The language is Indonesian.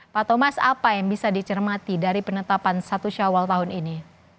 pak thomas apa yang bisa dicermati dari penetapan satu syawal tahun ini